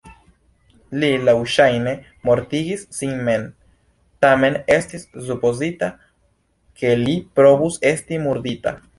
Li laŭŝajne mortigis sin mem, tamen estis supozita ke li povus esti murdita.